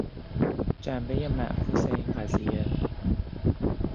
جنبهی معکوس این قضیه